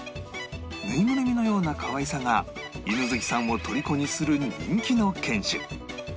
ぬいぐるみのようなかわいさが犬好きさんをとりこにする人気の犬種